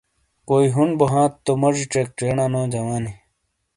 کوئی ہون بو تو موجی چیک چینا نو جوانی